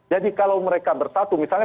jadi kalau mereka bersatu misalnya